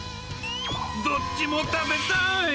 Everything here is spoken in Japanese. どっちも食べたーい！